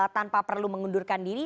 tanpa perlu mengundurkan diri